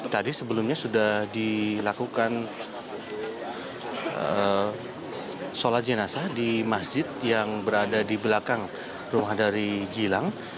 tadi sebelumnya sudah dilakukan sholat jenazah di masjid yang berada di belakang rumah dari gilang